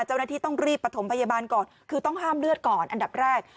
เจ้าหน้าที่ต้องรีบประถมพยาบาลก่อนคือต้องห้ามเลือดก่อนอันดับแรก